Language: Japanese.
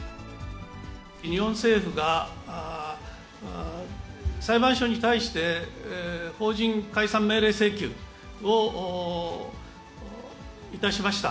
日本政府が裁判所に対して、法人解散命令請求をいたしました。